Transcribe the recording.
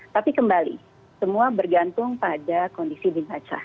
tapi kembali semua bergantung pada kondisi dibaca